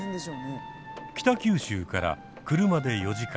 北九州から車で４時間。